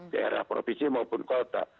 daerah provinsi maupun kota